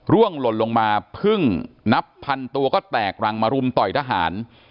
หล่นลงมาพึ่งนับพันตัวก็แตกรังมารุมต่อยทหาร